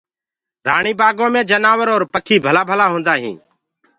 رآڻي بآگو مي جآنور اور پکي ڀلآ ڀلآ هوندآ هينٚ۔